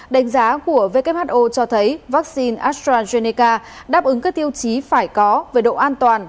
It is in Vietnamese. đánh giá của who cho thấy vaccine astrazeneca đáp ứng các tiêu chí phải có về độ an toàn